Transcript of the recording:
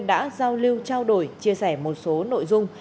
đã giao lưu trao đổi chia sẻ một số nội dung